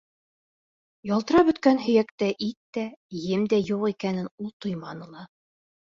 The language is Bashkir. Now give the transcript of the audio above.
Ялтырап бөткән һөйәктә ит тә, ем дә юҡ икәнен ул тойманы ла.